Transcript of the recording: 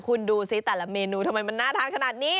คุณดูสิแต่ละเมนูทำไมมันน่าทานขนาดนี้